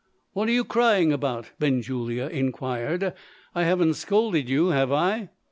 "What are you crying about?" Benjulia inquired; "I haven't scolded you, have I?"